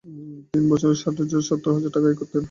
তিনি বছরে ষাট সত্তুর হাজার টাকা আয় করতেন।